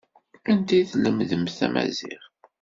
Anda ay lemdent tamaziɣt?